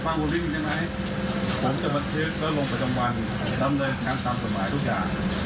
คุณฟังบุริษณ์ใช่ไหมผมจะบันทึกเตอร์วงประจำวันทำเลยงานตามสมรรยาทุกอย่าง